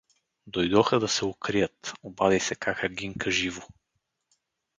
Дойдоха да се укрият — обади се кака Гинка живо.